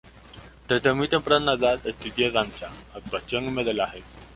Desde muy temprana edad estudió danza, actuación y modelaje.